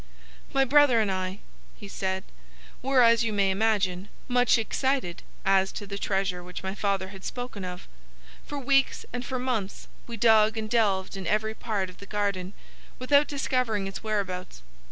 "My brother and I," said he, "were, as you may imagine, much excited as to the treasure which my father had spoken of. For weeks and for months we dug and delved in every part of the garden, without discovering its whereabouts.